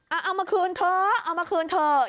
เอาเอามาคืนเถอะเอามาคืนเถอะ